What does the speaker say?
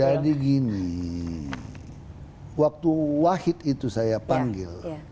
jadi gini waktu wahid itu saya panggil